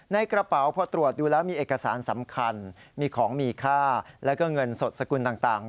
ในกระเป๋าพอตรวจดูแล้วมีเอกสารสำคัญมีของมีค่าแล้วก็เงินสดสกุลต่าง